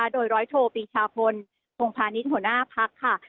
โดยร้อยโทปีชาพลพงพาณิชย์หัวหน้าพักค่ะ